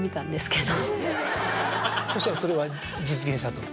そしたらそれは実現したと。